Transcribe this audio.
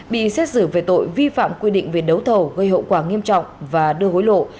bị xét xử về tội vi phạm quy định về đấu thầu gây hậu quả nghiêm trọng và đưa hối lộ